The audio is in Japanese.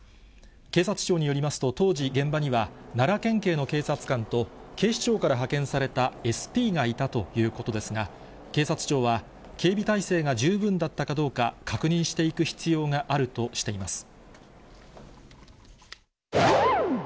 警察庁によりますと、当時、現場には奈良県警の警察官と、警視庁から派遣されたＳＰがいたということですが、警察庁は警備体制が十分だったかどうか、確認していく必要があるとしています。